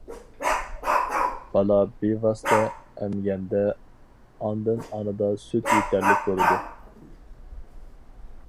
بالا بىۋاسىتە ئەمگەندە، ئاندىن ئانىدا سۈت يېتەرلىك بولىدۇ.